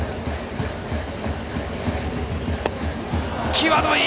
際どい！